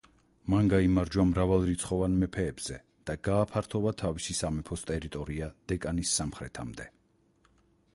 მან გაიმარჯვა მრავალრიცხოვან მეფეებზე და გააფართოვა თავისი სამეფოს ტერიტორია დეკანის სამხრეთამდე.